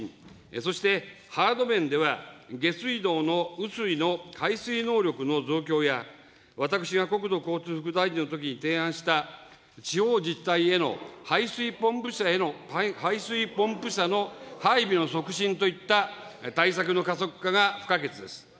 そしてハード面では、下水道の雨水の排水能力の増強や、私が国土交通副大臣のときに提案した、地方自治体への排水ポンプ車の配備の促進といった対策の加速化が不可欠です。